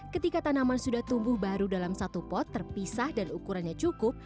ketika tanaman sudah tumbuh baru dalam satu pot terpisah dan ukurannya cukup